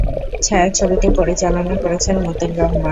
ছায়াছবিটি পরিচালনা করেছেন মতিন রহমান।